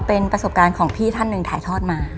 เป็นประสบการณ์ของพี่ท่านหนึ่งถ่ายทอดมา